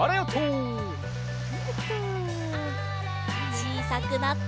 ちいさくなって。